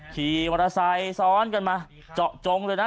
ขี่วาสาทซ้อนกันมาเจาะจงเลยนะ